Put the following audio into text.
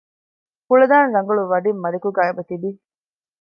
ކުޅަދާނަ ރަނގަޅު ވަޑިން މަލިކުގައި އެބަތިވި